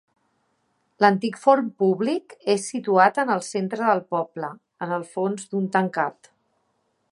L'antic forn públic és situat en el centre del poble, en el fons d'un tancat.